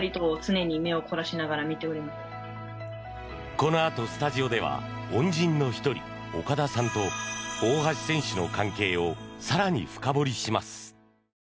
このあとスタジオでは恩人の１人、岡田さんと大橋選手の関係を更に深掘りします。